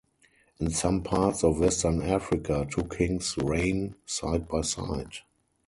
In some parts of western Africa two kings reign side by side.